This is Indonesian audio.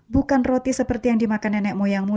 bukan roti seperti yang dimakan nenek moyangmu